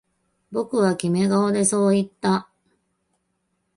僕はキメ顔でそう言った